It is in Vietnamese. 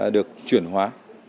được chuyển hóa